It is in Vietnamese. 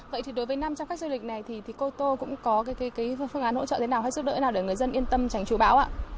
vậy thì đối với năm trăm linh khách du lịch này thì cô tô cũng có phương án hỗ trợ thế nào hay giúp đỡ thế nào để người dân yên tâm tránh trú báo ạ